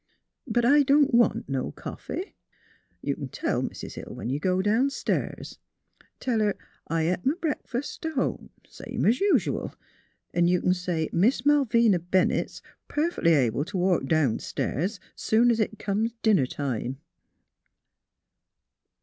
But I don't want no coffee. You c'n tell Mis' Hill, when you go downstairs. Tell her I et m' breakfas' t' home, same es usual, 'n' you c'n say Miss Malvina Bennett's perfec'ly able t' walk downstairs soon es it comes dinner time."